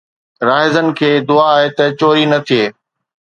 راهزن کي دعا آهي ته چوري نه ٿئي